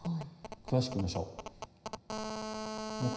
詳しく見ましょう。